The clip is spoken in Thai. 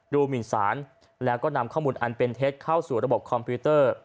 หมินสารแล้วก็นำข้อมูลอันเป็นเท็จเข้าสู่ระบบคอมพิวเตอร์